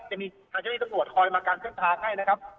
จะมีทางเช่นนี้ส่วนหัวคอยมาการเส้นทางให้นะครับ